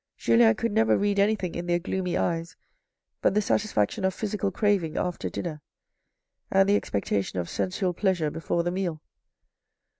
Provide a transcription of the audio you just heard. Julien could never read anything in their gloomy eyes but the satisfaction of physical craving after dinner, and the ex pectation of sensual pleasure before the meal.